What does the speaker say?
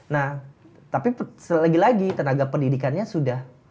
nah tapi lagi lagi tenaga pendidikannya sudah